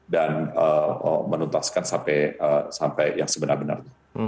dan menuntaskan sampai yang sebenar benar